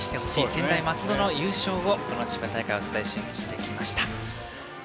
専大松戸の優勝を千葉大会お伝えしてきました。